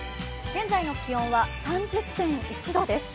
現在の気温は３０．１度です。